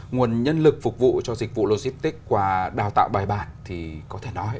nguồn nhân lực phục vụ cho dịch vụ lôi stick qua đào tạo bài bản